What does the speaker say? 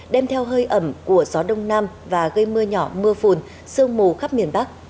đem theo hơi ẩm của gió đông nam và gây mưa nhỏ mưa phùn sương mù khắp miền bắc